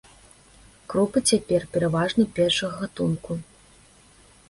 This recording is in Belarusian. Крупы цяпер пераважна першага гатунку.